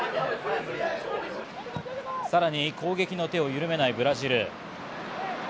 さらに攻撃の手をゆるめないブラジル。